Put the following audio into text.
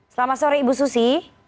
selamat sore ibu susi